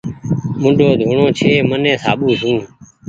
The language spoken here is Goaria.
موڍو ڌوڻو ڇي مني صآبو سون